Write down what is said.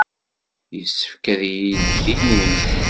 Yessefk ad iyi-d-tinimt.